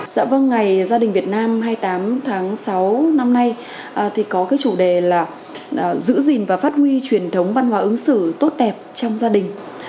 dạ vâng ngày gia đình việt nam hai mươi tám tháng sáu năm nay thì có cái chủ đề là giữ gìn và phát huy truyền thống văn hóa ứng xử tốt đẹp trong gia đình